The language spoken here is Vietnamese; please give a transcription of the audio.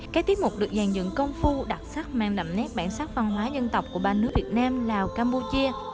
các tiết mục được dàn dựng công phu đặc sắc mang đậm nét bản sắc văn hóa dân tộc của ba nước việt nam lào campuchia